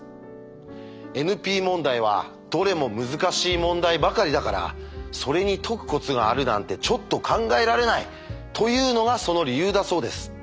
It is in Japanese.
ＮＰ問題はどれも難しい問題ばかりだからそれに解くコツがあるなんてちょっと考えられないというのがその理由だそうです。